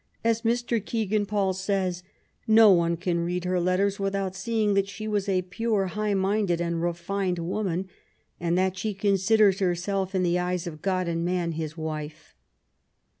*' As Mr. Kegan Paul says, *^ No one can read her letters without seeing that she was a pure, high minded, and refined woman, and that she considered herself, in the eyes of God and man, his wife.'